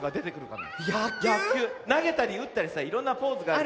なげたりうったりさいろんなポーズがある。